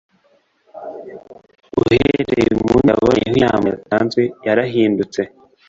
uhereye umunsi yaboneyeho inama yatanzwe, yarahindutse